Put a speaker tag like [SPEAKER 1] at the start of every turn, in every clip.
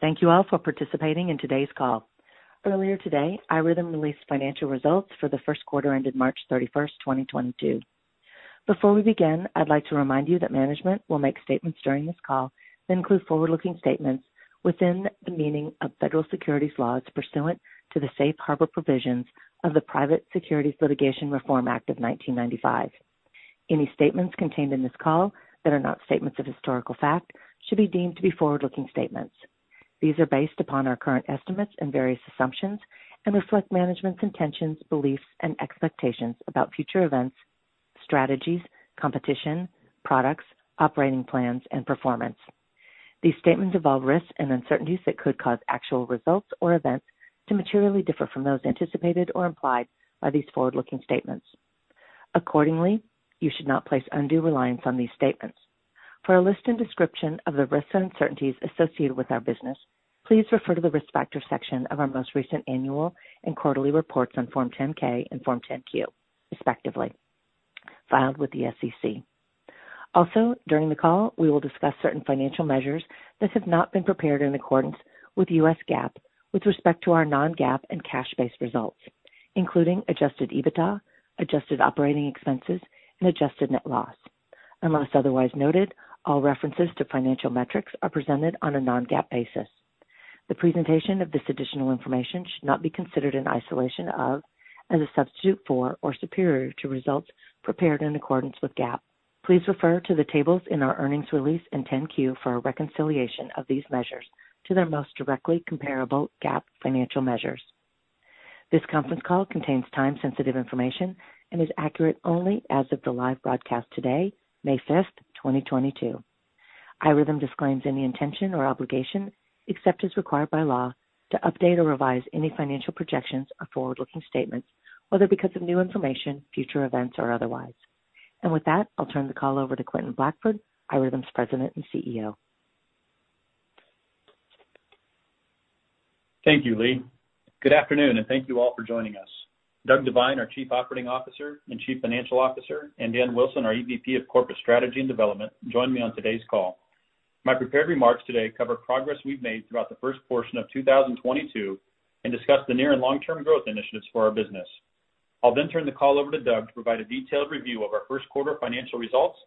[SPEAKER 1] Thank you all for participating in today's call. Earlier today, iRhythm released financial results for the first quarter ended March 31st, 2022. Before we begin, I'd like to remind you that management will make statements during this call that include forward-looking statements within the meaning of federal securities laws pursuant to the safe harbor provisions of the Private Securities Litigation Reform Act of 1995. Any statements contained in this call that are not statements of historical fact should be deemed to be forward-looking statements. These are based upon our current estimates and various assumptions and reflect management's intentions, beliefs, and expectations about future events, strategies, competition, products, operating plans, and performance. These statements involve risks and uncertainties that could cause actual results or events to materially differ from those anticipated or implied by these forward-looking statements. Accordingly, you should not place undue reliance on these statements. For a list and description of the risks and uncertainties associated with our business, please refer to the Risk Factors section of our most recent annual and quarterly reports on Form 10-K and Form 10-Q, respectively, filed with the SEC. Also, during the call, we will discuss certain financial measures that have not been prepared in accordance with U.S. GAAP with respect to our non-GAAP and cash-based results, including adjusted EBITDA, adjusted operating expenses, and adjusted net loss. Unless otherwise noted, all references to financial metrics are presented on a non-GAAP basis. The presentation of this additional information should not be considered in isolation of and a substitute for or superior to results prepared in accordance with GAAP. Please refer to the tables in our earnings release and 10-Q for a reconciliation of these measures to their most directly comparable GAAP financial measures. This conference call contains time-sensitive information and is accurate only as of the live broadcast today, May 5th, 2022. iRhythm disclaims any intention or obligation, except as required by law, to update or revise any financial projections or forward-looking statements, whether because of new information, future events, or otherwise. With that, I'll turn the call over to Quentin Blackford, iRhythm's President and CEO.
[SPEAKER 2] Thank you, Leigh. Good afternoon, and thank you all for joining us. Douglas Devine, our Chief Operating Officer and Chief Financial Officer, and Daniel Wilson, our EVP of Corporate Strategy and Development, join me on today's call. My prepared remarks today cover progress we've made throughout the first portion of 2022 and discuss the near- and long-term growth initiatives for our business. I'll then turn the call over to Douglas to provide a detailed review of our first quarter financial results,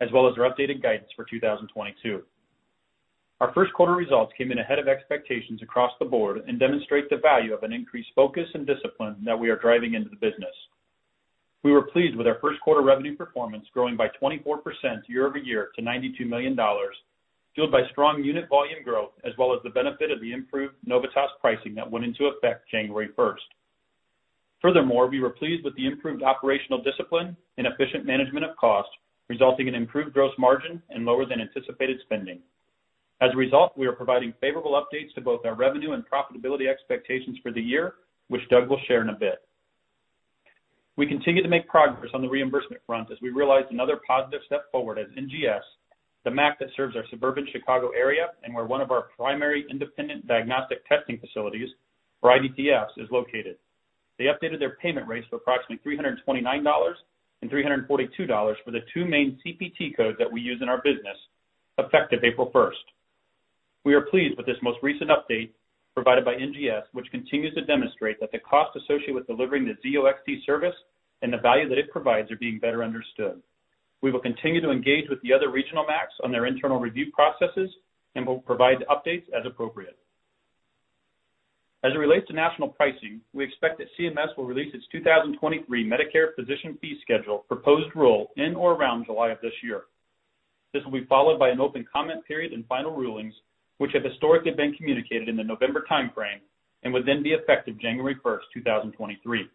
[SPEAKER 2] as well as our updated guidance for 2022. Our first quarter results came in ahead of expectations across the board and demonstrate the value of an increased focus and discipline that we are driving into the business. We were pleased with our first quarter revenue performance growing by 24% year-over-year to $92 million, fueled by strong unit volume growth as well as the benefit of the improved Novitas pricing that went into effect January first. Furthermore, we were pleased with the improved operational discipline and efficient management of cost, resulting in improved gross margin and lower than anticipated spending. As a result, we are providing favorable updates to both our revenue and profitability expectations for the year, which Douglas will share in a bit. We continue to make progress on the reimbursement front as we realized another positive step forward as NGS, the MAC that serves our suburban Chicago area and where one of our primary independent diagnostic testing facilities, or IDTFs, is located. They updated their payment rates to approximately $329 and $342 for the two main CPT codes that we use in our business, effective April 1st. We are pleased with this most recent update provided by NGS, which continues to demonstrate that the cost associated with delivering the Zio XT service and the value that it provides are being better understood. We will continue to engage with the other regional MACs on their internal review processes and will provide updates as appropriate. As it relates to national pricing, we expect that CMS will release its 2023 Medicare Physician Fee Schedule proposed rule in or around July of this year. This will be followed by an open comment period and final rulings, which have historically been communicated in the November timeframe and would then be effective January 1st, 2023.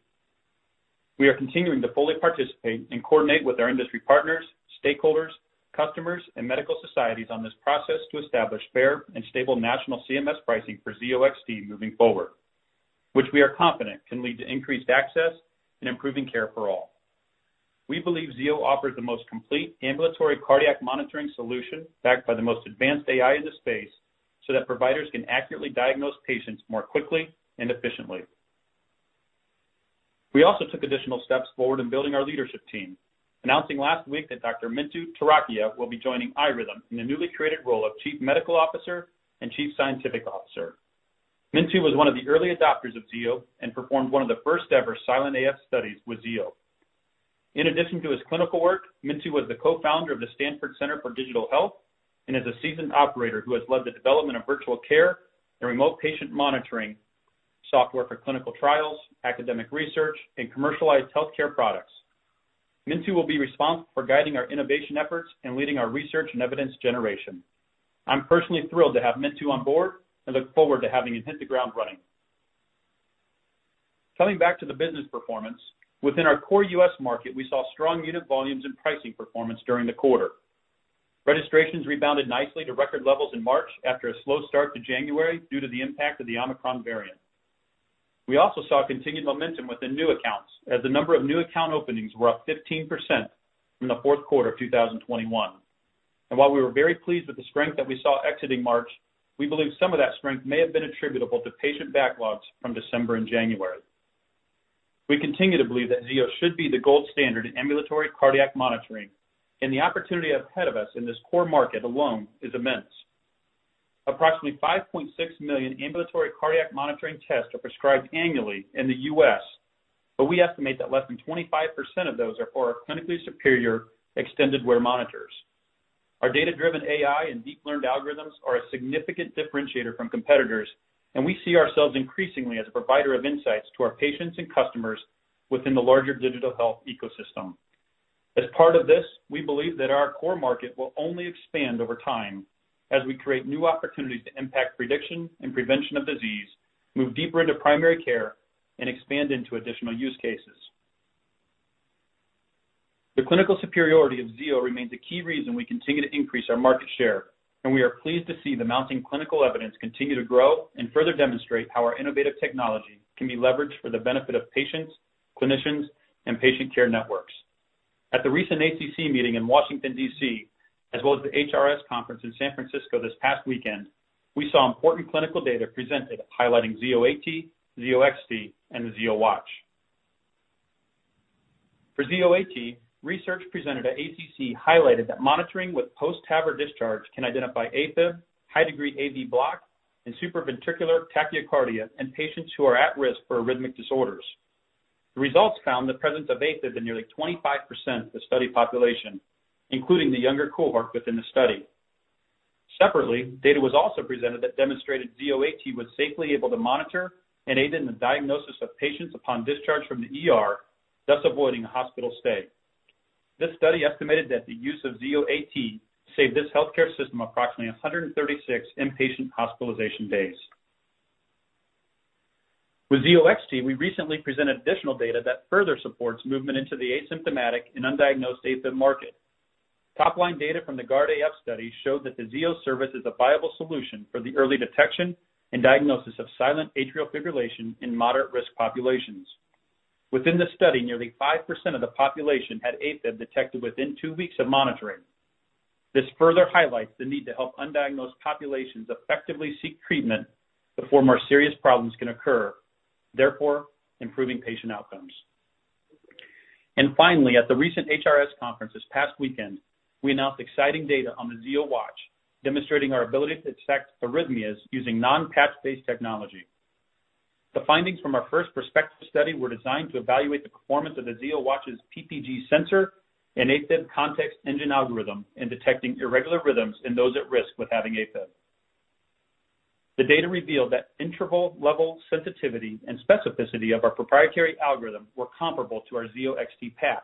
[SPEAKER 2] We are continuing to fully participate and coordinate with our industry partners, stakeholders, customers, and medical societies on this process to establish fair and stable national CMS pricing for Zio XT moving forward, which we are confident can lead to increased access and improving care for all. We believe Zio offers the most complete ambulatory cardiac monitoring solution backed by the most advanced AI in the space, so that providers can accurately diagnose patients more quickly and efficiently. We also took additional steps forward in building our leadership team, announcing last week that Dr. Mintu Turakhia will be joining iRhythm in the newly created role of Chief Medical Officer and Chief Scientific Officer. Mintu was one of the early adopters of Zio and performed one of the first-ever silent AF studies with Zio. In addition to his clinical work, Mintu was the co-founder of the Stanford Center for Digital Health and is a seasoned operator who has led the development of virtual care and remote patient monitoring software for clinical trials, academic research, and commercialized healthcare products. Mintu will be responsible for guiding our innovation efforts and leading our research and evidence generation. I'm personally thrilled to have Mintu on board and look forward to having him hit the ground running. Coming back to the business performance, within our core U.S. market, we saw strong unit volumes and pricing performance during the quarter. Registrations rebounded nicely to record levels in March after a slow start to January due to the impact of the Omicron variant. We also saw continued momentum within new accounts as the number of new account openings were up 15% from the fourth quarter of 2021. While we were very pleased with the strength that we saw exiting March, we believe some of that strength may have been attributable to patient backlogs from December and January. We continue to believe that Zio should be the gold standard in ambulatory cardiac monitoring, and the opportunity ahead of us in this core market alone is immense. Approximately 5.6 million ambulatory cardiac monitoring tests are prescribed annually in the U.S., but we estimate that less than 25% of those are for our clinically superior extended wear monitors. Our data-driven AI and deep learned algorithms are a significant differentiator from competitors, and we see ourselves increasingly as a provider of insights to our patients and customers within the larger digital health ecosystem. As part of this, we believe that our core market will only expand over time as we create new opportunities to impact prediction and prevention of disease, move deeper into primary care, and expand into additional use cases. The clinical superiority of Zio remains a key reason we continue to increase our market share, and we are pleased to see the mounting clinical evidence continue to grow and further demonstrate how our innovative technology can be leveraged for the benefit of patients, clinicians, and patient care networks. At the recent ACC meeting in Washington, DC, as well as the HRS conference in San Francisco this past weekend, we saw important clinical data presented highlighting Zio AT, Zio XT, and the Zio Watch. For Zio AT, research presented at ACC highlighted that monitoring with post-TAVR discharge can identify AFib, high degree AV block, and supraventricular tachycardia in patients who are at risk for arrhythmic disorders. The results found the presence of AFib in nearly 25% of the study population, including the younger cohort within the study. Separately, data was also presented that demonstrated Zio AT was safely able to monitor and aid in the diagnosis of patients upon discharge from the ER, thus avoiding a hospital stay. This study estimated that the use of Zio AT saved this healthcare system approximately 136 inpatient hospitalization days. With Zio XT, we recently presented additional data that further supports movement into the asymptomatic and undiagnosed AFib market. Top line data from the GUARD-AF study showed that the Zio service is a viable solution for the early detection and diagnosis of silent atrial fibrillation in moderate risk populations. Within the study, nearly 5% of the population had AFib detected within two weeks of monitoring. This further highlights the need to help undiagnosed populations effectively seek treatment before more serious problems can occur, therefore improving patient outcomes. Finally, at the recent HRS conference this past weekend, we announced exciting data on the Zio Watch demonstrating our ability to detect arrhythmias using non-patch-based technology. The findings from our first prospective study were designed to evaluate the performance of the Zio Watch's PPG sensor and AFib Context Engine algorithm in detecting irregular rhythms in those at risk with having AFib. The data revealed that interval level sensitivity and specificity of our proprietary algorithm were comparable to our Zio XT patch.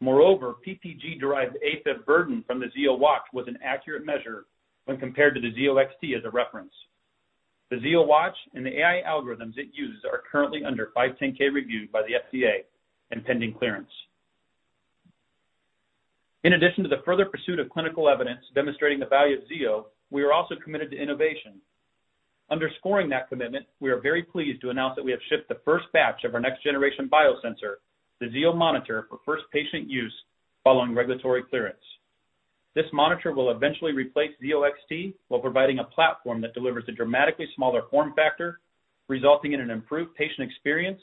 [SPEAKER 2] Moreover, PPG-derived AFib burden from the Zio Watch was an accurate measure when compared to the Zio XT as a reference. The Zio Watch and the AI algorithms it uses are currently under 510(k) review by the FDA and pending clearance. In addition to the further pursuit of clinical evidence demonstrating the value of Zio, we are also committed to innovation. Underscoring that commitment, we are very pleased to announce that we have shipped the first batch of our next generation biosensor, the Zio monitor, for first patient use following regulatory clearance. This monitor will eventually replace Zio XT while providing a platform that delivers a dramatically smaller form factor, resulting in an improved patient experience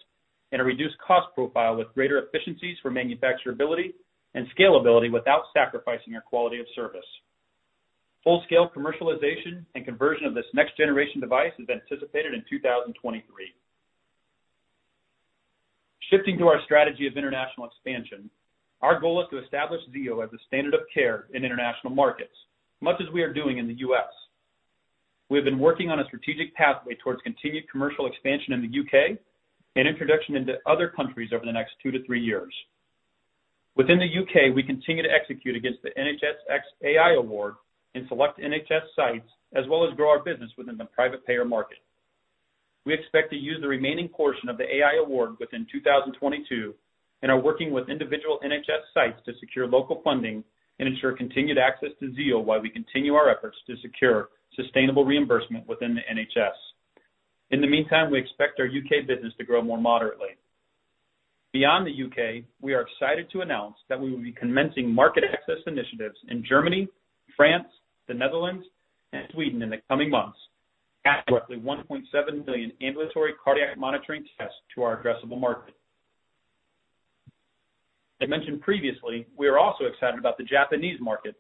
[SPEAKER 2] and a reduced cost profile with greater efficiencies for manufacturability and scalability without sacrificing our quality of service. Full-scale commercialization and conversion of this next generation device is anticipated in 2023. Shifting to our strategy of international expansion, our goal is to establish Zio as a standard of care in international markets, much as we are doing in the U.S. We have been working on a strategic pathway towards continued commercial expansion in the U.K. and introduction into other countries over the next two to three years. Within the U.K., we continue to execute against the NHSX AI award in select NHS sites, as well as grow our business within the private payer market. We expect to use the remaining portion of the AI award within 2022 and are working with individual NHS sites to secure local funding and ensure continued access to Zio while we continue our efforts to secure sustainable reimbursement within the NHS. In the meantime, we expect our UK business to grow more moderately. Beyond the UK, we are excited to announce that we will be commencing market access initiatives in Germany, France, the Netherlands, and Sweden in the coming months, adding roughly 1.7 million ambulatory cardiac monitoring tests to our addressable market. As mentioned previously, we are also excited about the Japanese market,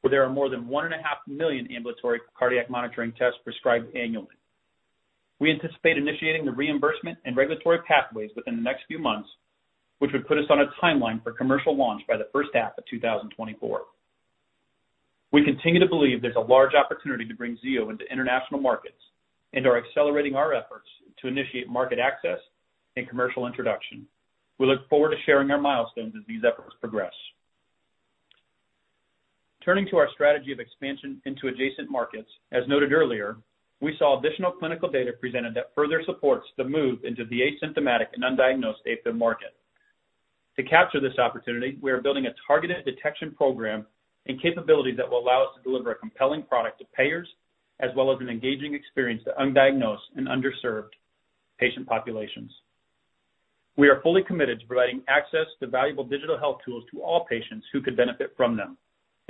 [SPEAKER 2] where there are more than 1.5 million ambulatory cardiac monitoring tests prescribed annually. We anticipate initiating the reimbursement and regulatory pathways within the next few months, which would put us on a timeline for commercial launch by the first half of 2024. We continue to believe there's a large opportunity to bring Zio into international markets and are accelerating our efforts to initiate market access and commercial introduction. We look forward to sharing our milestones as these efforts progress. Turning to our strategy of expansion into adjacent markets, as noted earlier, we saw additional clinical data presented that further supports the move into the asymptomatic and undiagnosed AFib market. To capture this opportunity, we are building a targeted detection program and capability that will allow us to deliver a compelling product to payers as well as an engaging experience to undiagnosed and underserved patient populations. We are fully committed to providing access to valuable digital health tools to all patients who could benefit from them.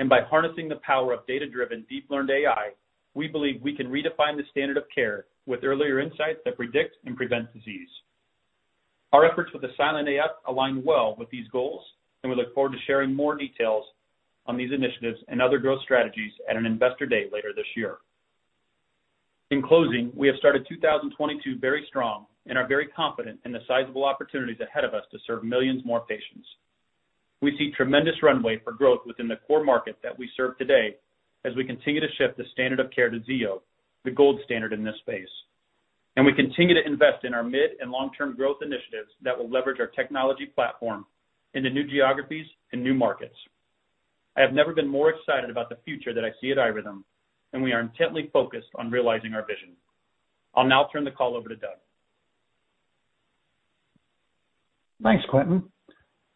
[SPEAKER 2] By harnessing the power of data-driven, deep learned AI, we believe we can redefine the standard of care with earlier insights that predict and prevent disease. Our efforts with asymptomatic AF align well with these goals, and we look forward to sharing more details on these initiatives and other growth strategies at an investor day later this year. In closing, we have started 2022 very strong and are very confident in the sizable opportunities ahead of us to serve millions more patients. We see tremendous runway for growth within the core market that we serve today as we continue to shift the standard of care to Zio, the gold standard in this space. We continue to invest in our mid and long-term growth initiatives that will leverage our technology platform into new geographies and new markets. I have never been more excited about the future that I see at iRhythm, and we are intently focused on realizing our vision. I'll now turn the call over to Douglas.
[SPEAKER 3] Thanks, Quentin.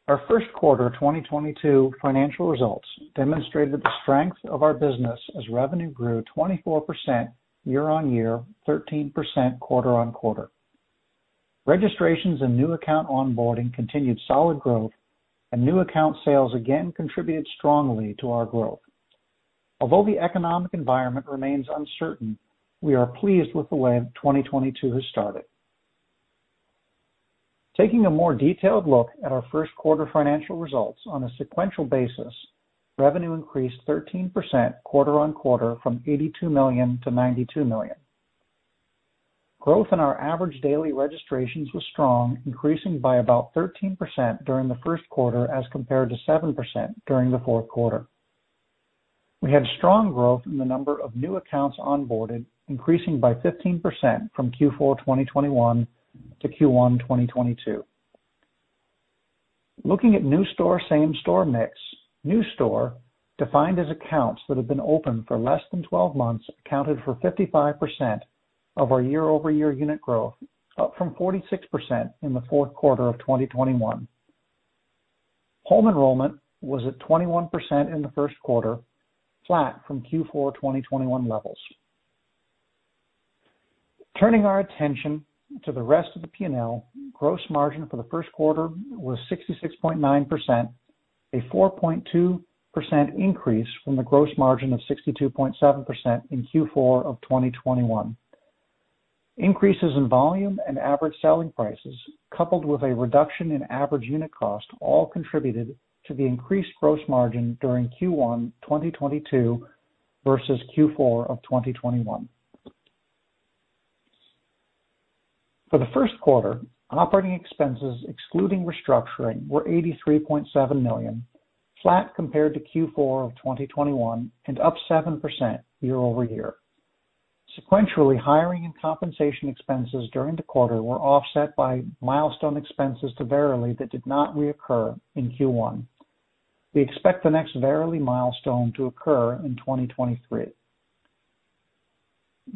[SPEAKER 3] Our first quarter 2022 financial results demonstrated the strength of our business as revenue grew 24% year-on-year, 13% quarter-on-quarter. Registrations and new account onboarding continued solid growth, and new account sales again contributed strongly to our growth. Although the economic environment remains uncertain, we are pleased with the way 2022 has started. Taking a more detailed look at our first quarter financial results on a sequential basis, revenue increased 13% quarter-on-quarter from $82 million to $92 million. Growth in our average daily registrations was strong, increasing by about 13% during the first quarter as compared to 7% during the fourth quarter. We had strong growth in the number of new accounts onboarded, increasing by 15% from Q4 2021 to Q1 2022. Looking at new store, same-store mix, new store, defined as accounts that have been open for less than 12 months, accounted for 55% of our year-over-year unit growth, up from 46% in the fourth quarter of 2021. Home enrollment was at 21% in the first quarter, flat from Q4 2021 levels. Turning our attention to the rest of the P&L, gross margin for the first quarter was 66.9%, a 4.2% increase from the gross margin of 62.7% in Q4 of 2021. Increases in volume and average selling prices, coupled with a reduction in average unit cost all contributed to the increased gross margin during Q1 2022 versus Q4 of 2021. For the first quarter, operating expenses excluding restructuring were $83.7 million, flat compared to Q4 of 2021 and up 7% year over year. Sequentially, hiring and compensation expenses during the quarter were offset by milestone expenses to Verily that did not reoccur in Q1. We expect the next Verily milestone to occur in 2023.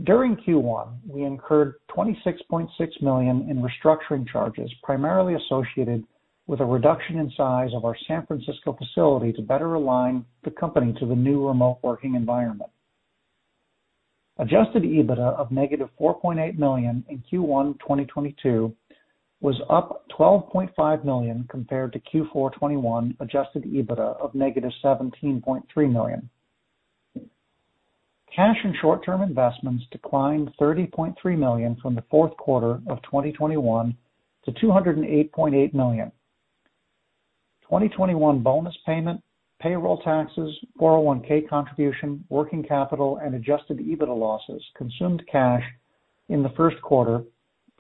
[SPEAKER 3] During Q1, we incurred $26.6 million in restructuring charges, primarily associated with a reduction in size of our San Francisco facility to better align the company to the new remote working environment. Adjusted EBITDA of -$4.8 million in Q1 2022 was up $12.5 million compared to Q4 2021 adjusted EBITDA of -$17.3 million. Cash and short-term investments declined $30.3 million from the fourth quarter of 2021 to $208.8 million. 2021 bonus payment, payroll taxes, 401(k) contribution, working capital, and adjusted EBITDA losses consumed cash in the first quarter,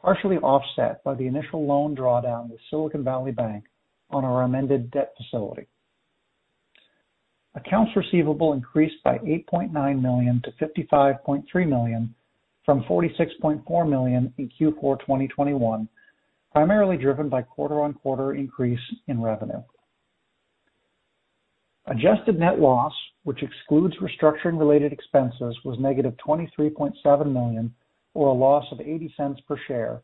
[SPEAKER 3] partially offset by the initial loan drawdown with Silicon Valley Bank on our amended debt facility. Accounts receivable increased by $8.9 million to $55.3 million from $46.4 million in Q4 2021, primarily driven by quarter-on-quarter increase in revenue. Adjusted net loss, which excludes restructuring related expenses, was -$23.7 million or a loss of $0.80 per share,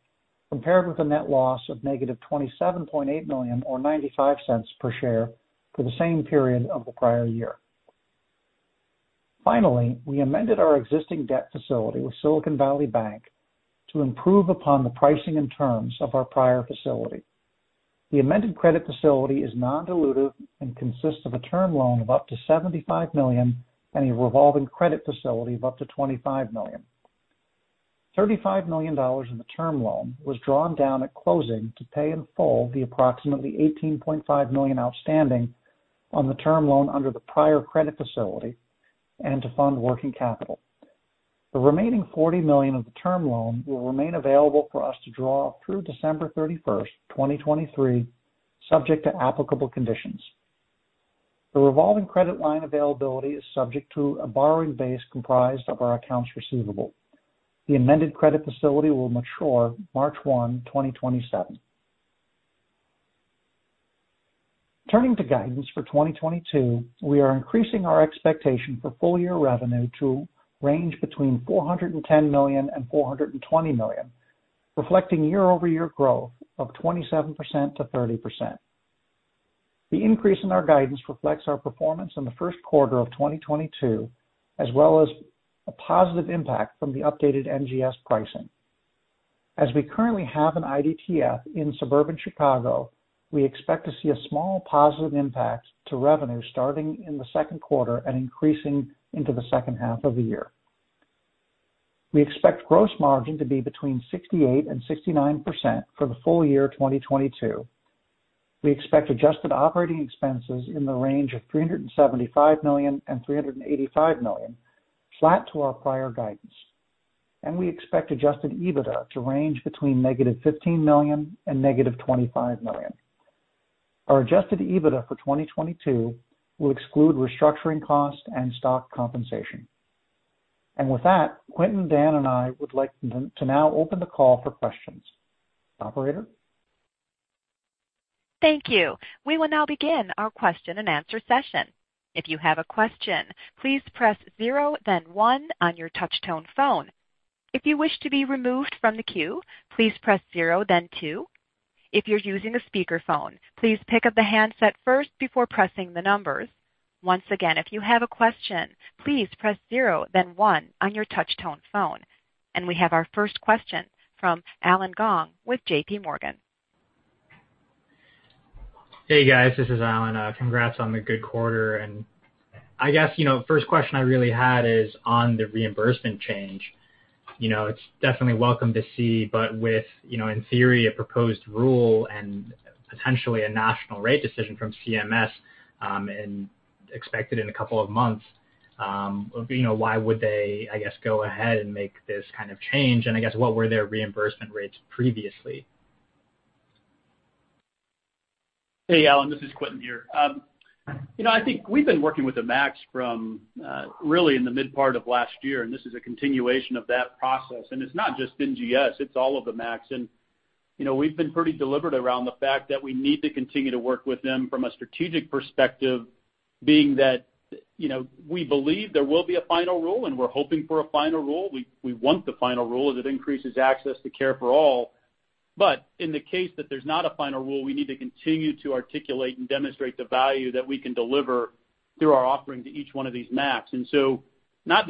[SPEAKER 3] compared with a net loss of -$27.8 million or $0.95 per share for the same period of the prior year. Finally, we amended our existing debt facility with Silicon Valley Bank to improve upon the pricing and terms of our prior facility. The amended credit facility is non-dilutive and consists of a term loan of up to $75 million and a revolving credit facility of up to $25 million. $35 million in the term loan was drawn down at closing to pay in full the approximately $18.5 million outstanding on the term loan under the prior credit facility and to fund working capital. The remaining $40 million of the term loan will remain available for us to draw through December 31st, 2023, subject to applicable conditions. The revolving credit line availability is subject to a borrowing base comprised of our accounts receivable. The amended credit facility will mature March 1, 2027. Turning to guidance for 2022, we are increasing our expectation for full year revenue to range between $410 million and $420 million, reflecting year-over-year growth of 27%-30%. The increase in our guidance reflects our performance in the first quarter of 2022, as well as a positive impact from the updated NGS pricing. As we currently have an IDTF in suburban Chicago, we expect to see a small positive impact to revenue starting in the second quarter and increasing into the second half of the year. We expect gross margin to be between 68%-69% for the full year 2022. We expect adjusted operating expenses in the range of $375 million and $385 million, flat to our prior guidance. We expect adjusted EBITDA to range between -$15 million and -$25 million. Our adjusted EBITDA for 2022 will exclude restructuring costs and stock compensation. With that, Quentin, Daniel, and I would like to now open the call for questions. Operator?
[SPEAKER 4] Thank you. We will now begin our question-and-answer session. If you have a question, please press zero, then one on your touch tone phone. If you wish to be removed from the queue, please press zero then two. If you're using a speakerphone, please pick up the handset first before pressing the numbers. Once again, if you have a question, please press zero then one on your touch tone phone. We have our first question from Allen Gong with JPMorgan.
[SPEAKER 5] Hey, guys, this is Allen. Congrats on the good quarter. I guess, you know, first question I really had is on the reimbursement change. You know, it's definitely welcome to see, but with, you know, in theory, a proposed rule and potentially a national rate decision from CMS, expected in a couple of months, you know, why would they, I guess, go ahead and make this kind of change? I guess what were their reimbursement rates previously?
[SPEAKER 2] Hey, Alan. This is Quentin here. You know, I think we've been working with the MACs from really in the mid part of last year, and this is a continuation of that process. It's not just NGS, it's all of the MACs. You know, we've been pretty deliberate around the fact that we need to continue to work with them from a strategic perspective being that you know, we believe there will be a final rule, and we're hoping for a final rule. We want the final rule as it increases access to care for all. But in the case that there's not a final rule, we need to continue to articulate and demonstrate the value that we can deliver through our offering to each one of these MACs. Not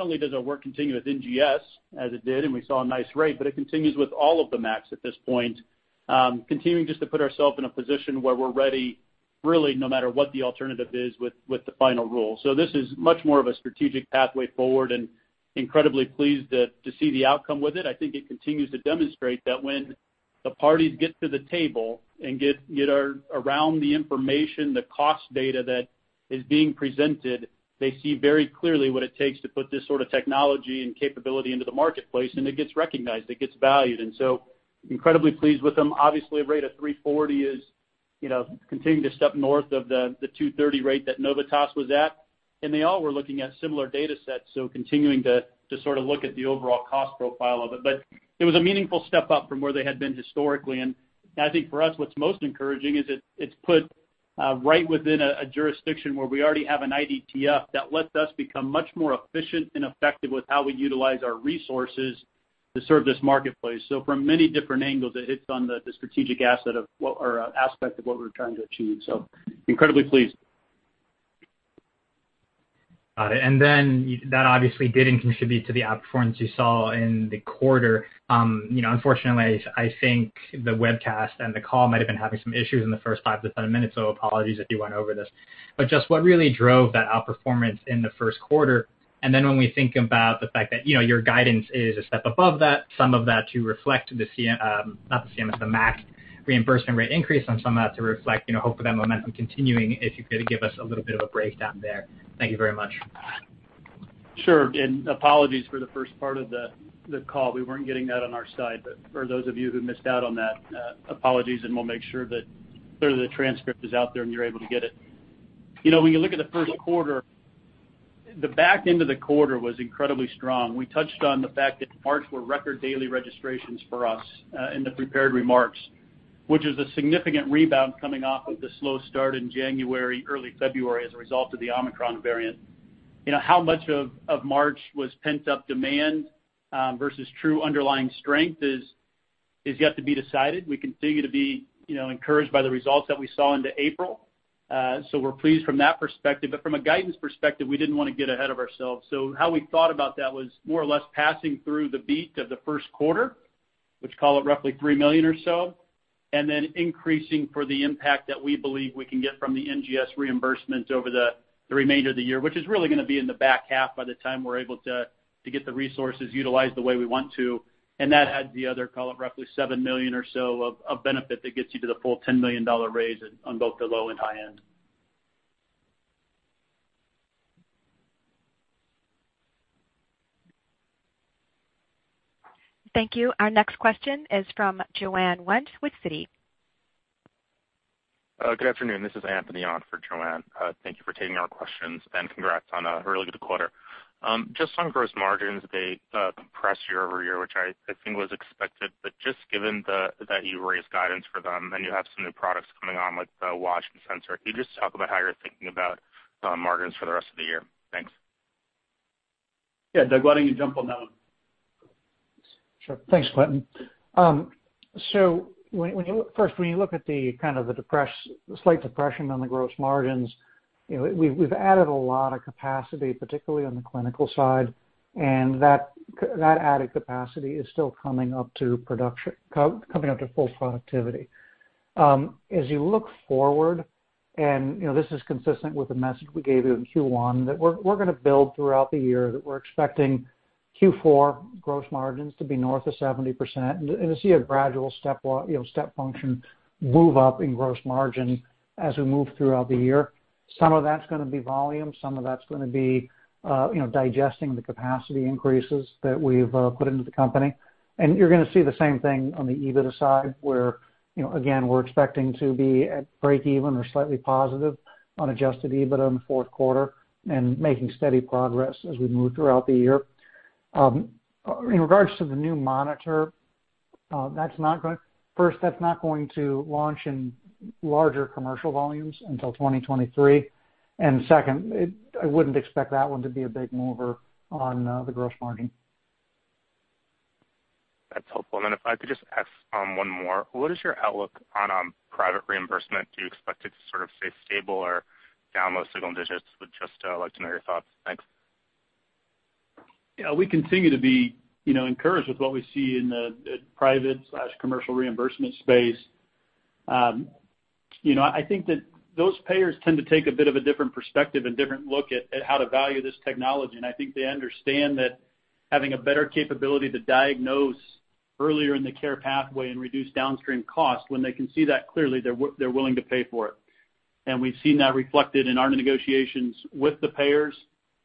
[SPEAKER 2] only does our work continue with NGS as it did, and we saw a nice rate, but it continues with all of the MACs at this point, continuing just to put ourselves in a position where we're ready, really no matter what the alternative is with the final rule. This is much more of a strategic pathway forward and incredibly pleased to see the outcome with it. I think it continues to demonstrate that when the parties get to the table and get around the information, the cost data that is being presented, they see very clearly what it takes to put this sort of technology and capability into the marketplace, and it gets recognized, it gets valued. Incredibly pleased with them. Obviously, a rate of 340 is, you know, continuing to step north of the 230 rate that Novitas was at, and they all were looking at similar data sets, so continuing to sort of look at the overall cost profile of it. It was a meaningful step up from where they had been historically. I think for us, what's most encouraging is it's put right within a jurisdiction where we already have an IDTF that lets us become much more efficient and effective with how we utilize our resources to serve this marketplace. From many different angles, it hits on the strategic asset or aspect of what we're trying to achieve. Incredibly pleased.
[SPEAKER 5] Got it. That obviously didn't contribute to the outperformance you saw in the quarter. You know, unfortunately, I think the webcast and the call might have been having some issues in the first five-10 minutes, so apologies if you went over this. Just what really drove that outperformance in the first quarter, and then when we think about the fact that, you know, your guidance is a step above that, some of that to reflect not the CMS, the MAC reimbursement rate increase and some of that to reflect, you know, hope for that momentum continuing, if you could give us a little bit of a breakdown there. Thank you very much.
[SPEAKER 2] Sure. Apologies for the first part of the call. We weren't getting that on our side. For those of you who missed out on that, apologies, and we'll make sure that clearly the transcript is out there and you're able to get it. You know, when you look at the first quarter, the back end of the quarter was incredibly strong. We touched on the fact that March were record daily registrations for us in the prepared remarks, which is a significant rebound coming off of the slow start in January, early February as a result of the Omicron variant. You know, how much of March was pent-up demand versus true underlying strength is yet to be decided. We continue to be, you know, encouraged by the results that we saw into April. So we're pleased from that perspective. From a guidance perspective, we didn't wanna get ahead of ourselves. How we thought about that was more or less passing through the beat of the first quarter, which call it roughly $3 million or so, and then increasing for the impact that we believe we can get from the NGS reimbursements over the remainder of the year, which is really gonna be in the back half by the time we're able to get the resources utilized the way we want to. That adds the other, call it roughly $7 million or so of benefit that gets you to the full $10 million raise on both the low and high end.
[SPEAKER 4] Thank you. Our next question is from Joanne Wuensch with Citi.
[SPEAKER 6] Good afternoon. This is Anthony on for Joanne. Thank you for taking our questions, and congrats on a really good quarter. Just on gross margins, they compressed year-over-year, which I think was expected. Just given that you raised guidance for them, and you have some new products coming on with the watch and sensor, can you just talk about how you're thinking about margins for the rest of the year? Thanks.
[SPEAKER 2] Yeah. Douglas, why don't you jump on that one?
[SPEAKER 3] Sure. Thanks, Quentin. When you look at the slight depression on the gross margins, you know, we've added a lot of capacity, particularly on the clinical side, and that added capacity is still coming up to full productivity. As you look forward, you know, this is consistent with the message we gave you in Q1, that we're gonna build throughout the year, that we're expecting Q4 gross margins to be north of 70% and to see a gradual step function move up in gross margin as we move throughout the year. Some of that's gonna be volume, some of that's gonna be, you know, digesting the capacity increases that we've put into the company. You're gonna see the same thing on the EBITDA side where, you know, again, we're expecting to be at breakeven or slightly positive on adjusted EBITDA in the fourth quarter and making steady progress as we move throughout the year. In regards to the new monitor, first, that's not going to launch in larger commercial volumes until 2023. Second, I wouldn't expect that one to be a big mover on the gross margin.
[SPEAKER 6] That's helpful. If I could just ask one more. What is your outlook on private reimbursement? Do you expect it to sort of stay stable or down low single digits? Would just like to know your thoughts. Thanks.
[SPEAKER 2] Yeah, we continue to be, you know, encouraged with what we see in the private commercial reimbursement space. You know, I think that those payers tend to take a bit of a different perspective and different look at at how to value this technology. I think they understand that having a better capability to diagnose earlier in the care pathway and reduce downstream costs, when they can see that clearly, they're willing to pay for it. We've seen that reflected in our negotiations with the payers.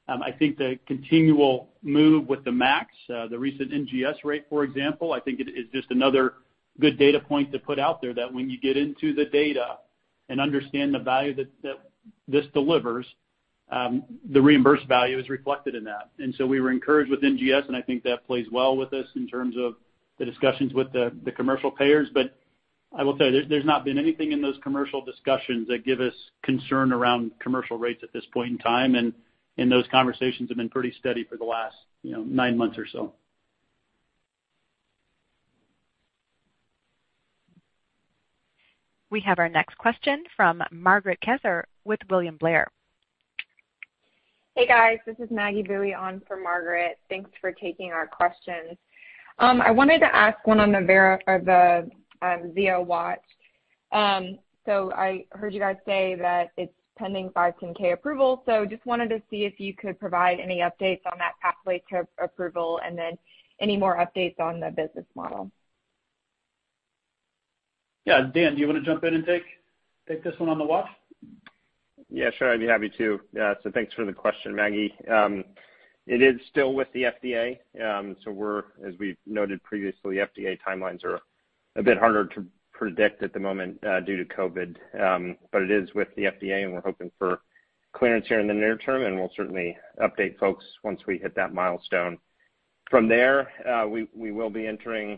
[SPEAKER 2] I think the continual move with the MACs, the recent NGS rate, for example, I think it is just another good data point to put out there that when you get into the data and understand the value that this delivers, the reimbursed value is reflected in that. We were encouraged with NGS, and I think that plays well with us in terms of the discussions with the commercial payers. I will tell you, there's not been anything in those commercial discussions that give us concern around commercial rates at this point in time, and those conversations have been pretty steady for the last, you know, nine months or so.
[SPEAKER 4] We have our next question from Margaret Kaczor with William Blair.
[SPEAKER 7] Hey, guys, this is Maggie Boeye on for Margaret. Thanks for taking our questions. I wanted to ask one on the Verily or the Zio Watch. So I heard you guys say that it's pending 510(k) approval, so just wanted to see if you could provide any updates on that pathway to approval and then any more updates on the business model.
[SPEAKER 2] Yeah. Daniel, do you wanna jump in and take this one on the watch?
[SPEAKER 8] Yeah, sure. I'd be happy to. Yeah, thanks for the question, Maggie. It is still with the FDA. We're, as we've noted previously, FDA timelines are a bit harder to predict at the moment due to COVID. It is with the FDA, and we're hoping for clearance here in the near term, and we'll certainly update folks once we hit that milestone. From there, we will be entering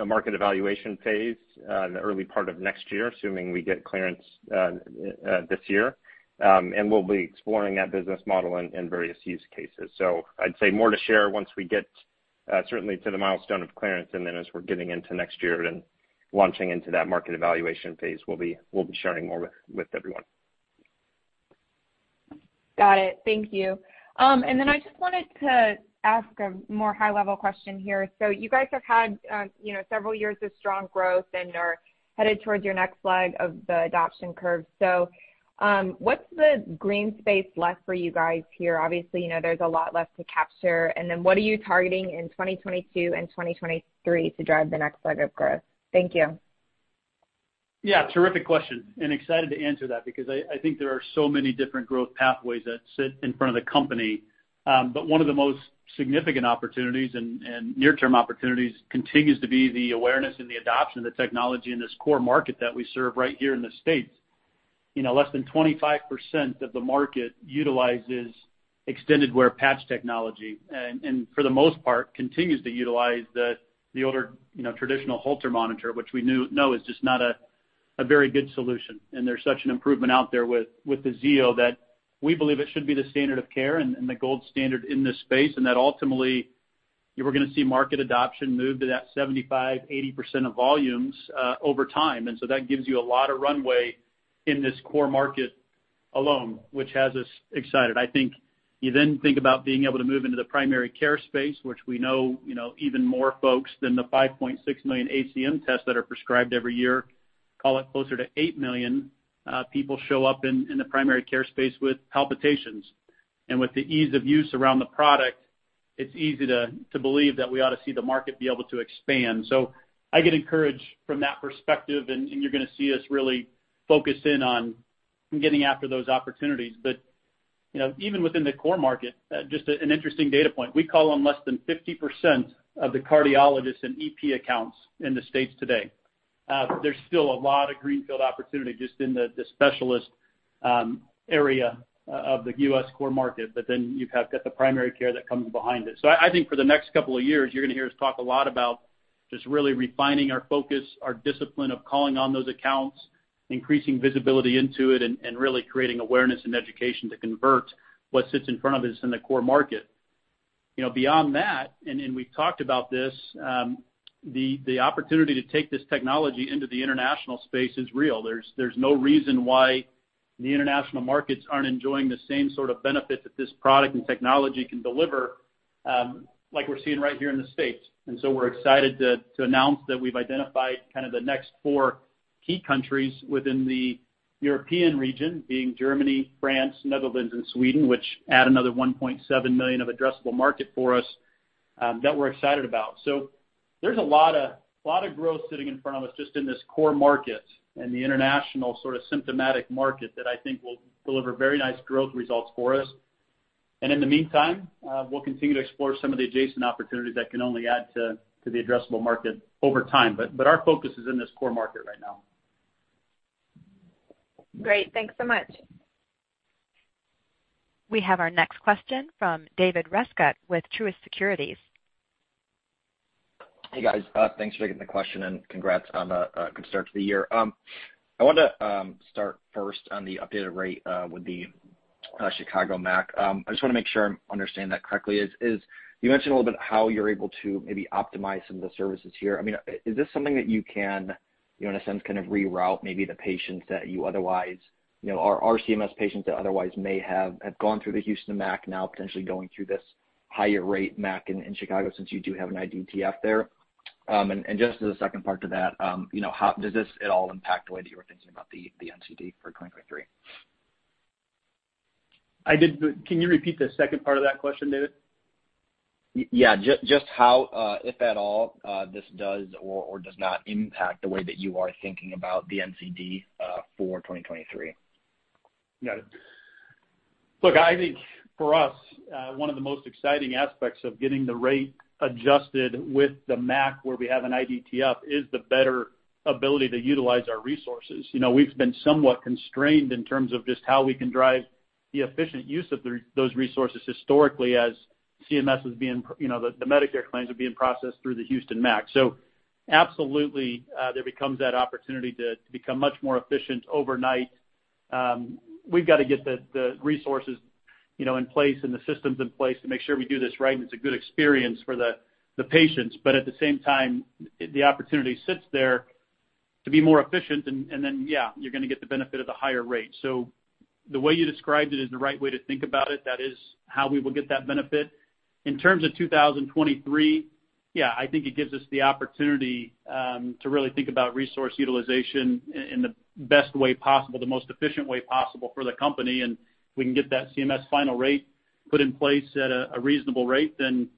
[SPEAKER 8] a market evaluation phase in the early part of next year, assuming we get clearance this year. We'll be exploring that business model and various use cases. I'd say more to share once we get certainly to the milestone of clearance, and then as we're getting into next year and launching into that market evaluation phase, we'll be sharing more with everyone.
[SPEAKER 7] Got it. Thank you. I just wanted to ask a more high-level question here. You guys have had, you know, several years of strong growth and are headed towards your next leg of the adoption curve. What's the white space left for you guys here? Obviously, you know, there's a lot left to capture. What are you targeting in 2022 and 2023 to drive the next leg of growth? Thank you.
[SPEAKER 2] Yeah, terrific question, and excited to answer that because I think there are so many different growth pathways that sit in front of the company. One of the most significant opportunities and near-term opportunities continues to be the awareness and the adoption of the technology in this core market that we serve right here in the States. You know, less than 25% of the market utilizes extended wear patch technology and for the most part continues to utilize the older, you know, traditional Holter monitor, which we know is just not a very good solution. There's such an improvement out there with the Zio that we believe it should be the standard of care and the gold standard in this space, and that ultimately, you know, we're gonna see market adoption move to that 75%-80% of volumes over time. That gives you a lot of runway in this core market alone, which has us excited. I think you then think about being able to move into the primary care space, which we know, you know, even more folks than the 5.6 million ACM tests that are prescribed every year, call it closer to eight million people show up in the primary care space with palpitations. With the ease of use around the product, it's easy to believe that we ought to see the market be able to expand. I get encouraged from that perspective, and you're gonna see us really focus in on getting after those opportunities. You know, even within the core market, just an interesting data point, we call on less than 50% of the cardiologists and EP accounts in the States today. There's still a lot of greenfield opportunity just in the specialist area of the US core market, but then you have got the primary care that comes behind it. I think for the next couple of years, you're gonna hear us talk a lot about just really refining our focus, our discipline of calling on those accounts. Increasing visibility into it and really creating awareness and education to convert what sits in front of us in the core market. You know, beyond that, and we've talked about this, the opportunity to take this technology into the international space is real. There's no reason why the international markets aren't enjoying the same sort of benefit that this product and technology can deliver, like we're seeing right here in the States. We're excited to announce that we've identified kind of the next four key countries within the European region, being Germany, France, Netherlands, and Sweden, which add another 1.7 million of addressable market for us, that we're excited about. There's a lot of growth sitting in front of us just in this core market and the international sort of symptomatic market that I think will deliver very nice growth results for us. In the meantime, we'll continue to explore some of the adjacent opportunities that can only add to the addressable market over time. Our focus is in this core market right now.
[SPEAKER 7] Great. Thanks so much.
[SPEAKER 4] We have our next question from David Rescott with Truist Securities.
[SPEAKER 9] Hey, guys. Thanks for taking the question, and congrats on a good start to the year. I wanted to start first on the updated rate with the Chicago MAC. I just want to make sure I'm understanding that correctly. You mentioned a little bit how you're able to maybe optimize some of the services here. I mean, is this something that you can, you know, in a sense, kind of reroute maybe the patients that you otherwise, you know, or CMS patients that otherwise may have gone through the Houston MAC now potentially going through this higher rate MAC in Chicago since you do have an IDTF there? Just as a second part to that, you know, how does this at all impact the way that you were thinking about the NCD for 2023?
[SPEAKER 2] Can you repeat the second part of that question, David?
[SPEAKER 9] Yeah. Just how, if at all, this does or does not impact the way that you are thinking about the NCD for 2023?
[SPEAKER 2] Got it. Look, I think for us, one of the most exciting aspects of getting the rate adjusted with the MAC where we have an IDTF is the better ability to utilize our resources. You know, we've been somewhat constrained in terms of just how we can drive the efficient use of those resources historically as CMS was being you know, the Medicare claims were being processed through the Houston MAC. Absolutely, there becomes that opportunity to become much more efficient overnight. We've got to get the resources, you know, in place and the systems in place to make sure we do this right and it's a good experience for the patients. At the same time, the opportunity sits there to be more efficient and then, yeah, you're gonna get the benefit of the higher rate. The way you described it is the right way to think about it. That is how we will get that benefit. In terms of 2023, yeah, I think it gives us the opportunity to really think about resource utilization in the best way possible, the most efficient way possible for the company. If we can get that CMS final rate put in place at a reasonable rate, then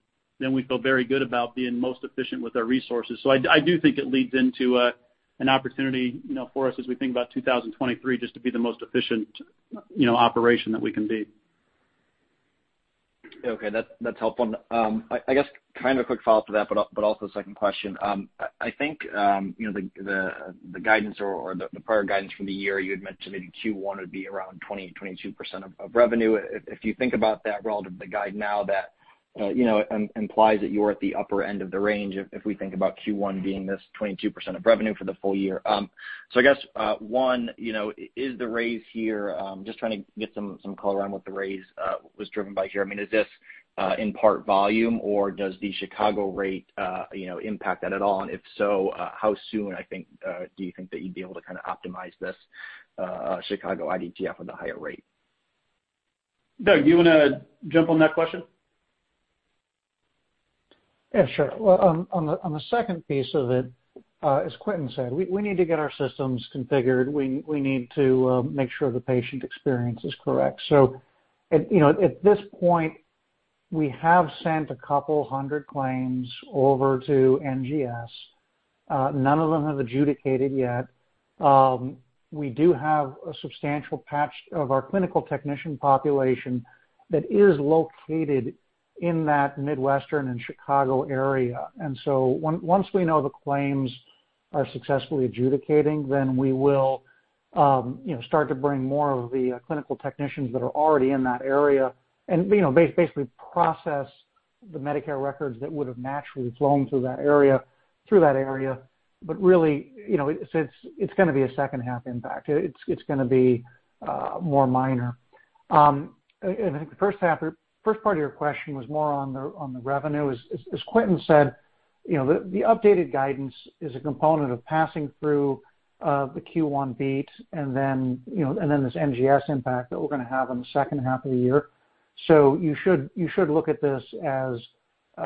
[SPEAKER 2] we feel very good about being most efficient with our resources. I do think it leads into an opportunity, you know, for us as we think about 2023 just to be the most efficient, you know, operation that we can be.
[SPEAKER 9] Okay. That's helpful. I guess kind of a quick follow-up to that, but also a second question. I think, you know, the guidance or the prior guidance for the year, you had mentioned maybe Q1 would be around 20%-22% of revenue. If you think about that relative to the guide now, that implies that you are at the upper end of the range if we think about Q1 being this 22% of revenue for the full year. So I guess one, you know, is the raise here, just trying to get some color on what the raise was driven by here. I mean, is this in part volume, or does the Chicago rate impact that at all? If so, how soon, I think, do you think that you'd be able to kinda optimize this Chicago IDTF with the higher rate?
[SPEAKER 2] Douglas, do you wanna jump on that question?
[SPEAKER 3] Yeah, sure. Well, on the second piece of it, as Quentin said, we need to get our systems configured. We need to make sure the patient experience is correct. At this point, we have sent a couple hundred claims over to NGS. None of them have adjudicated yet. We do have a substantial patch of our clinical technician population that is located in that Midwestern and Chicago area. Once we know the claims are successfully adjudicating, then we will start to bring more of the clinical technicians that are already in that area and basically process the Medicare records that would've naturally flown through that area. Really, it's gonna be a second half impact. It's gonna be more minor. I think the first half or first part of your question was more on the revenue. As Quentin said, you know, the updated guidance is a component of passing through the Q1 beat and then, you know, and then this NGS impact that we're gonna have in the second half of the year. You should look at this as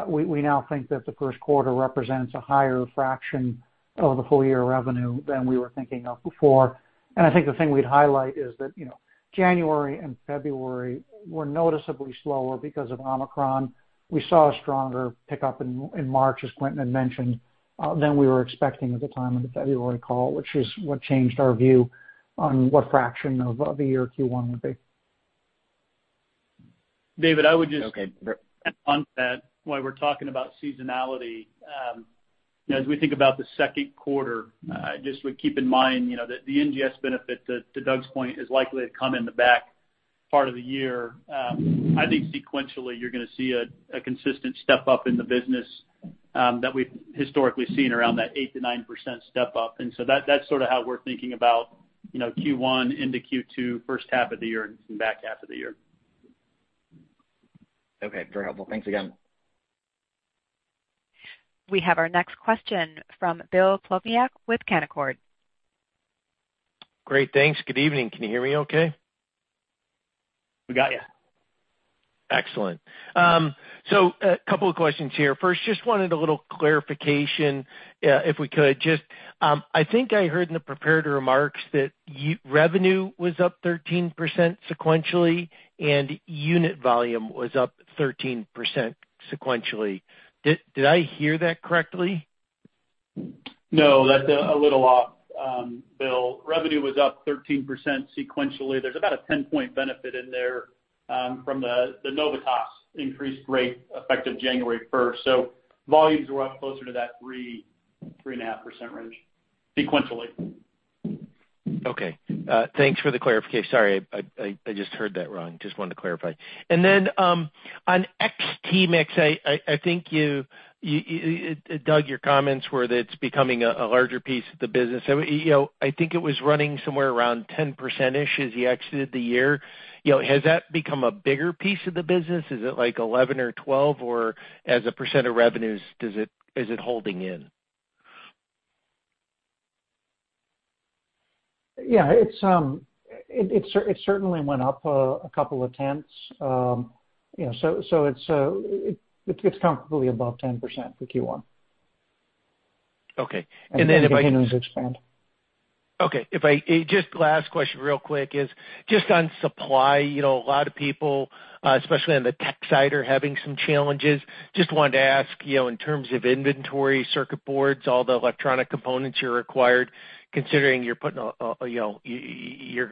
[SPEAKER 3] we now think that the first quarter represents a higher fraction of the full year revenue than we were thinking of before. I think the thing we'd highlight is that, you know, January and February were noticeably slower because of Omicron. We saw a stronger pickup in March, as Quentin had mentioned, than we were expecting at the time of the February call, which is what changed our view on what fraction of the year Q1 would be.
[SPEAKER 2] David, I would just.
[SPEAKER 9] Okay.
[SPEAKER 2] While we're talking about seasonality, you know, as we think about the second quarter, I just would keep in mind, you know, that the NGS benefit, to Doug's point, is likely to come in the back part of the year. I think sequentially you're gonna see a consistent step up in the business, that we've historically seen around that 8%-9% step up. That's sorta how we're thinking about, you know, Q1 into Q2, first half of the year and back half of the year.
[SPEAKER 9] Okay. Very helpful. Thanks again.
[SPEAKER 4] We have our next question from Bill Plovanic with Canaccord.
[SPEAKER 10] Great. Thanks. Good evening. Can you hear me okay?
[SPEAKER 2] We got you.
[SPEAKER 10] Excellent. So a couple of questions here. First, just wanted a little clarification, if we could just, I think I heard in the prepared remarks that revenue was up 13% sequentially, and unit volume was up 13% sequentially. Did I hear that correctly?
[SPEAKER 2] No, that's a little off, Bill. Revenue was up 13% sequentially. There's about a 10-point benefit in there from the Novitas increased rate effective January first. Volumes were up closer to that 3%-3.5% range sequentially.
[SPEAKER 10] Okay. Thanks for the clarification. Sorry, I just heard that wrong. Just wanted to clarify. Then, on XT mix, I think you, Douglas, your comments were that it's becoming a larger piece of the business. You know, I think it was running somewhere around 10%-ish as you exited the year. You know, has that become a bigger piece of the business? Is it like 11 or 12? Or as a percent of revenues, does it is it holding in?
[SPEAKER 3] Yeah. It certainly went up a couple of tenths. You know, it's comfortably above 10% for Q1.
[SPEAKER 10] Okay. If I can.
[SPEAKER 3] Continues to expand.
[SPEAKER 10] Okay. Just last question real quick is just on supply. You know, a lot of people, especially on the tech side, are having some challenges. Just wanted to ask, you know, in terms of inventory, circuit boards, all the electronic components you required, considering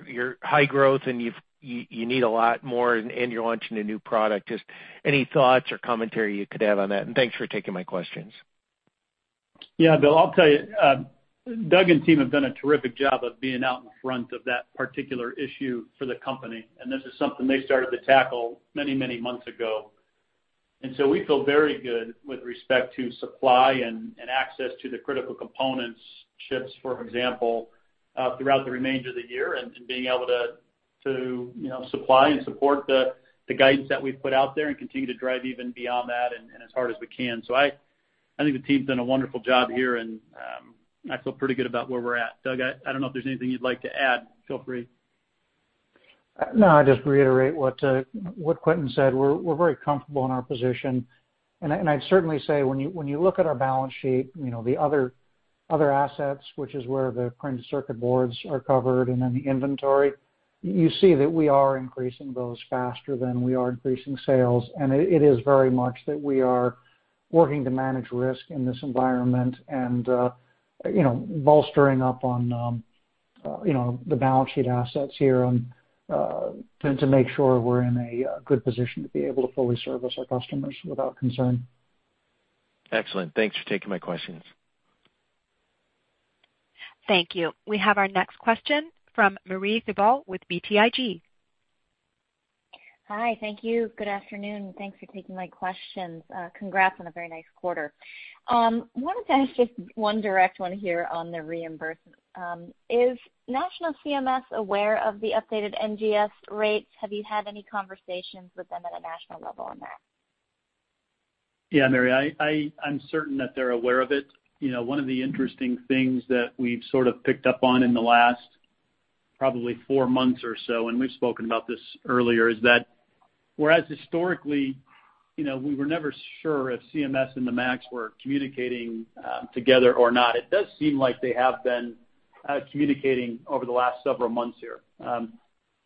[SPEAKER 10] your high growth and you need a lot more and you're launching a new product, just any thoughts or commentary you could have on that. Thanks for taking my questions.
[SPEAKER 2] Yeah, Bill, I'll tell you, Douglas and team have done a terrific job of being out in front of that particular issue for the company, and this is something they started to tackle many, many months ago. We feel very good with respect to supply and access to the critical components, chips, for example, throughout the remainder of the year and being able to, you know, supply and support the guidance that we've put out there and continue to drive even beyond that and as hard as we can. I think the team's done a wonderful job here and I feel pretty good about where we're at. Douglas, I don't know if there's anything you'd like to add. Feel free.
[SPEAKER 3] No, I'd just reiterate what Quentin said. We're very comfortable in our position. I'd certainly say when you look at our balance sheet, you know, the other assets, which is where the printed circuit boards are covered, and then the inventory, you see that we are increasing those faster than we are increasing sales. It is very much that we are working to manage risk in this environment and, you know, bolstering up on, you know, the balance sheet assets here on, to make sure we're in a good position to be able to fully service our customers without concern.
[SPEAKER 10] Excellent. Thanks for taking my questions.
[SPEAKER 4] Thank you. We have our next question from Marie Thibault with BTIG.
[SPEAKER 11] Hi. Thank you. Good afternoon, and thanks for taking my questions. Congrats on a very nice quarter. Wanted to ask just one direct one here on the reimbursement. Is national CMS aware of the updated NGS rates? Have you had any conversations with them at a national level on that?
[SPEAKER 2] Yeah, Marie, I'm certain that they're aware of it. You know, one of the interesting things that we've sort of picked up on in the last probably four months or so, and we've spoken about this earlier, is that whereas historically, you know, we were never sure if CMS and the MAC were communicating together or not, it does seem like they have been communicating over the last several months here.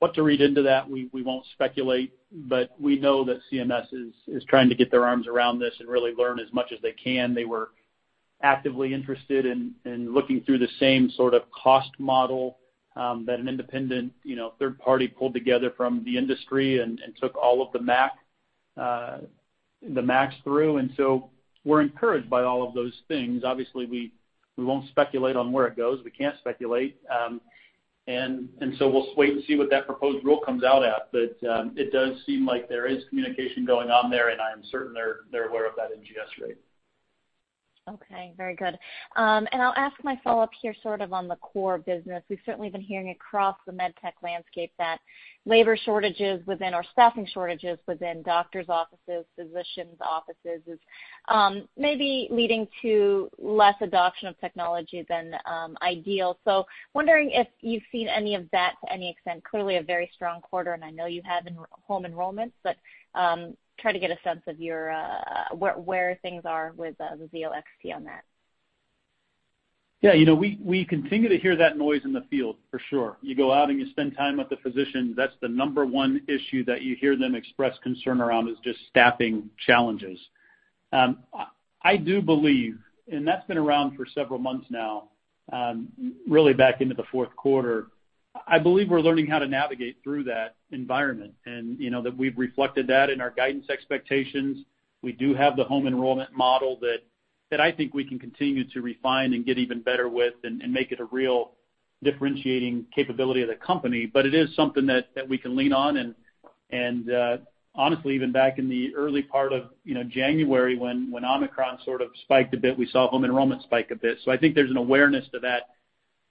[SPEAKER 2] What to read into that, we won't speculate, but we know that CMS is trying to get their arms around this and really learn as much as they can. They were actively interested in looking through the same sort of cost model that an independent third party pulled together from the industry and took all of the MAC through. We're encouraged by all of those things. Obviously, we won't speculate on where it goes. We can't speculate. We'll wait and see what that proposed rule comes out at. It does seem like there is communication going on there, and I am certain they're aware of that NGS rate.
[SPEAKER 11] Okay. Very good. I'll ask my follow-up here sort of on the core business. We've certainly been hearing across the med tech landscape that labor shortages and staffing shortages within doctors' offices is maybe leading to less adoption of technology than ideal. Wondering if you've seen any of that to any extent. Clearly a very strong quarter, and I know you have in-home enrollments, but try to get a sense of where things are with the Zio XT on that.
[SPEAKER 2] Yeah. You know, we continue to hear that noise in the field for sure. You go out and you spend time with the physician. That's the number one issue that you hear them express concern around is just staffing challenges. I do believe that's been around for several months now, really back into the fourth quarter. I believe we're learning how to navigate through that environment. You know, we've reflected that in our guidance expectations. We do have the home enrollment model that I think we can continue to refine and get even better with and make it a real differentiating capability of the company. It is something that we can lean on. Honestly, even back in the early part of, you know, January when Omicron sort of spiked a bit, we saw home enrollment spike a bit. I think there's an awareness to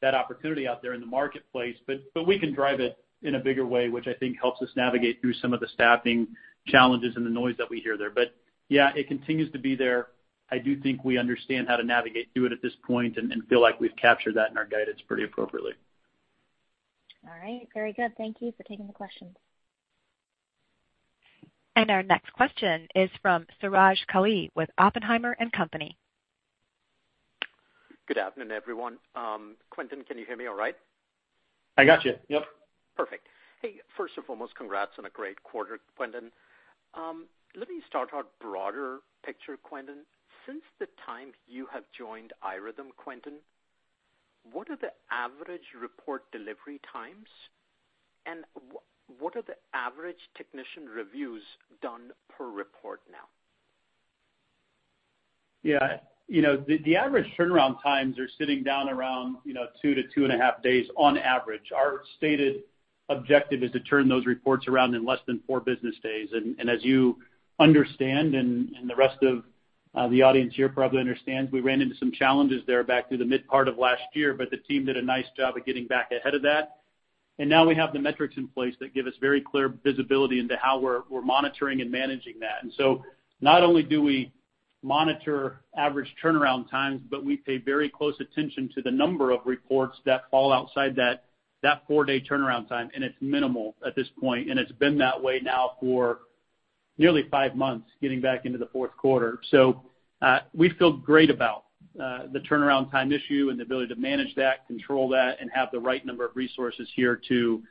[SPEAKER 2] that opportunity out there in the marketplace, but we can drive it in a bigger way, which I think helps us navigate through some of the staffing challenges and the noise that we hear there. Yeah, it continues to be there. I do think we understand how to navigate through it at this point, and feel like we've captured that in our guidance pretty appropriately.
[SPEAKER 11] All right. Very good. Thank you for taking the questions.
[SPEAKER 4] Our next question is from Suraj Kalia with Oppenheimer & Co.
[SPEAKER 12] Good afternoon, everyone. Quentin, can you hear me all right?
[SPEAKER 2] I got you. Yep.
[SPEAKER 12] Perfect. Hey, first and foremost, congrats on a great quarter, Quentin. Let me start out broader picture, Quentin. Since the time you have joined iRhythm, Quentin, what are the average report delivery times, and what are the average technician reviews done per report now?
[SPEAKER 2] Yeah. You know, the average turnaround times are sitting around, you know, two to two and half days on average. Our stated objective is to turn those reports around in less than four business days. As you understand, the rest of the audience here probably understands, we ran into some challenges there back through the mid part of last year, but the team did a nice job of getting back ahead of that. Now we have the metrics in place that give us very clear visibility into how we're monitoring and managing that. Not only do we monitor average turnaround times, but we pay very close attention to the number of reports that fall outside that four-day turnaround time, and it's minimal at this point, and it's been that way now for nearly five months, getting back into the fourth quarter. We feel great about the turnaround time issue and the ability to manage that, control that, and have the right number of resources here to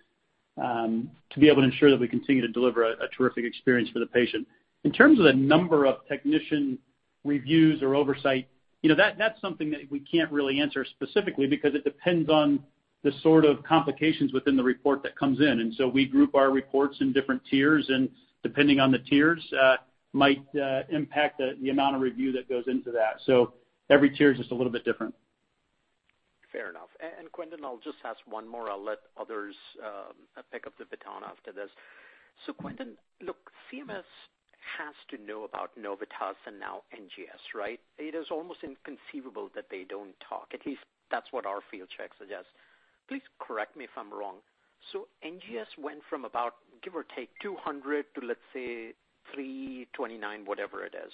[SPEAKER 2] be able to ensure that we continue to deliver a terrific experience for the patient. In terms of the number of technician reviews or oversight, you know, that's something that we can't really answer specifically because it depends on the sort of complications within the report that comes in. We group our reports in different tiers, and depending on the tiers, might impact the amount of review that goes into that. Every tier is just a little bit different.
[SPEAKER 12] Fair enough. And Quentin, I'll just ask one more. I'll let others pick up the baton after this. Quentin, look, CMS has to know about Novitas and now NGS, right? It is almost inconceivable that they don't talk. At least that's what our field checks suggest. Please correct me if I'm wrong. NGS went from about, give or take, $200 to, let's say, $329, whatever it is.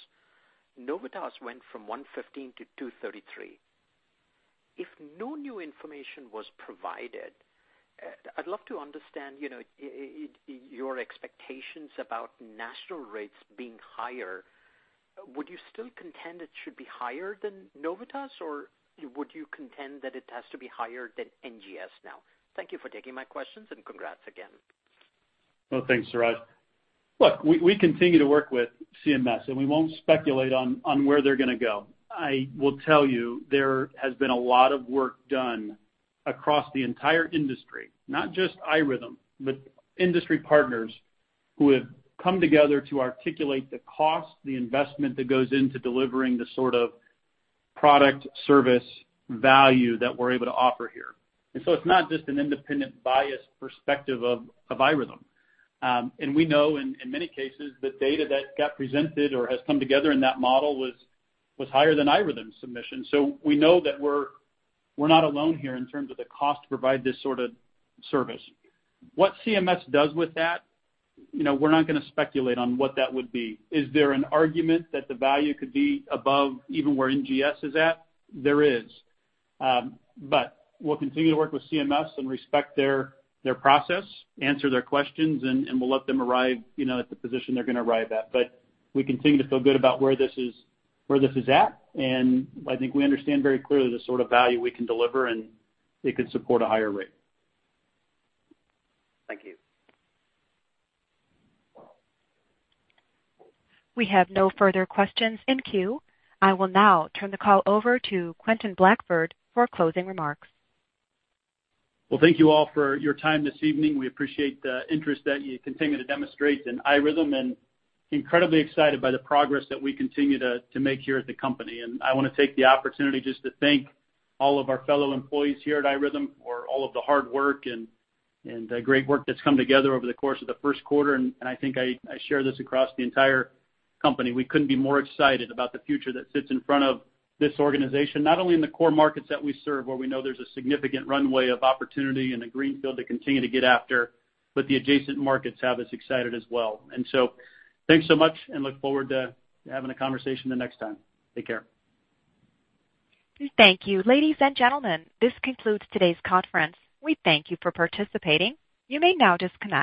[SPEAKER 12] Novitas went from $115 to $233. If no new information was provided, I'd love to understand, you know, your expectations about national rates being higher. Would you still contend it should be higher than Novitas, or would you contend that it has to be higher than NGS now? Thank you for taking my questions, and congrats again.
[SPEAKER 2] Well, thanks, Suraj. Look, we continue to work with CMS, and we won't speculate on where they're gonna go. I will tell you there has been a lot of work done across the entire industry, not just iRhythm, but industry partners who have come together to articulate the cost, the investment that goes into delivering the sort of product service value that we're able to offer here. It's not just an independent unbiased perspective of iRhythm. We know in many cases, the data that got presented or has come together in that model was higher than iRhythm's submission. We know that we're not alone here in terms of the cost to provide this sort of service. What CMS does with that, you know, we're not gonna speculate on what that would be. Is there an argument that the value could be above even where NGS is at? There is. We'll continue to work with CMS and respect their process, answer their questions, and we'll let them arrive, you know, at the position they're gonna arrive at. We continue to feel good about where this is at, and I think we understand very clearly the sort of value we can deliver, and it could support a higher rate.
[SPEAKER 12] Thank you.
[SPEAKER 4] We have no further questions in queue. I will now turn the call over to Quentin Blackford for closing remarks.
[SPEAKER 2] Well, thank you all for your time this evening. We appreciate the interest that you continue to demonstrate in iRhythm, and we're incredibly excited by the progress that we continue to make here at the company. I wanna take the opportunity just to thank all of our fellow employees here at iRhythm for all of the hard work and great work that's come together over the course of the first quarter. I think I share this across the entire company. We couldn't be more excited about the future that sits in front of this organization, not only in the core markets that we serve, where we know there's a significant runway of opportunity and a greenfield to continue to get after, but the adjacent markets have us excited as well. Thanks so much and look forward to having a conversation the next time. Take care.
[SPEAKER 4] Thank you. Ladies and gentlemen, this concludes today's conference. We thank you for participating. You may now disconnect.